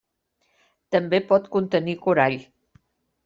També pot contenir corall.